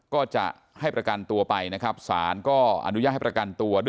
ก็จะให้ประกันตัวไปนะครับศาลก็อนุญาตให้ประกันตัวด้วย